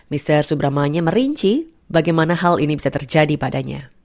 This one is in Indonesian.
mr subramanya merinci bagaimana hal ini bisa terjadi padanya